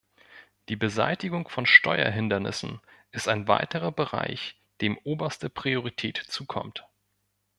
Die Beseitigung von Steuerhindernissen ist ein weiterer Bereich, dem oberste Priorität zukommt.